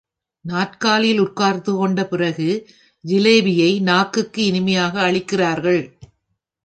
நாற்காலியில் உட்கார்ந்துகொண்ட பிறகு ஜிலேபியை நாக்குக்கு இனிமையாக அளிக்கிறார்கள்.